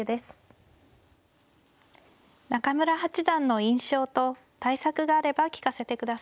中村八段の印象と対策があれば聞かせてください。